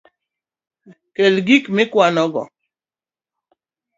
Kel gik mikwanogo